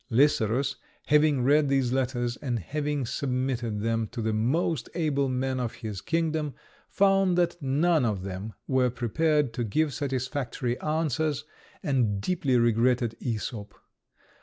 Lycerus, having read these letters, and having submitted them to the most able men of his kingdom, found that none of them were prepared to give satisfactory answers, and deeply regretted Æsop.